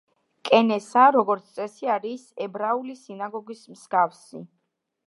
კენესა, როგორც წესი არის ებრაული სინაგოგის მსგავსი.